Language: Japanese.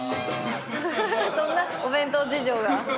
そんなお弁当事情が。